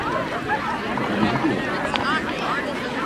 J’ai des idées là-dessus...